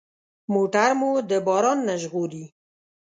موټر مو د باران نه ژغوري.